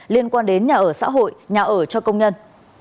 liên quan đến nhà ở xã hội nhà ở cho công nhân